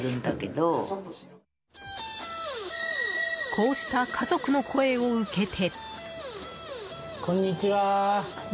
こうした家族の声を受けて。